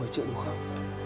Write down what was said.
một mươi triệu đúng không